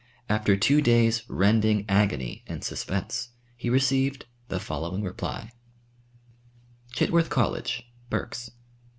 After two days' rending agony and suspense, he received the following reply: "Chitworth College, Berks.